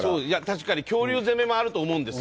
確かに恐竜攻めもあると思うんですよ。